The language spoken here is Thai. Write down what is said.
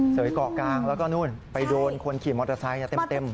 เกาะกลางแล้วก็นู่นไปโดนคนขี่มอเตอร์ไซค์เต็ม